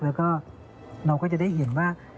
เราก็จะได้เห็นว่า